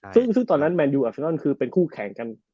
ซึ่งตอนนั้นแมนยูอับเซนอนคือเป็นคู่แข่งกัน